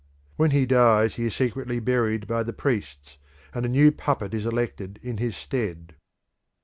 When he dies he is secretly buried by the priests, and a new puppet is elected in his stead.